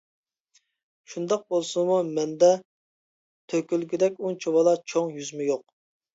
شۇنداق بولسىمۇ، مەندە تۆكۈلگۈدەك ئۇنچىۋالا «چوڭ» يۈزمۇ يوق.